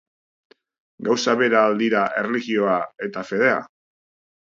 Gauza bera al dira erlijioa eta fedea?